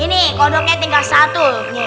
ini kodoknya tinggal satu